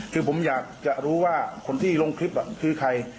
คือผมอยากจะรู้ว่าคนที่ลงคลิปคือใคร